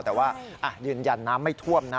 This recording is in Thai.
แต่ว่ายืนยันน้ำไม่ท่วมนะ